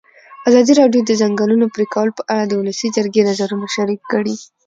ازادي راډیو د د ځنګلونو پرېکول په اړه د ولسي جرګې نظرونه شریک کړي.